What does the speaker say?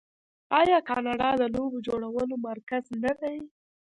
آیا کاناډا د لوبو جوړولو مرکز نه دی؟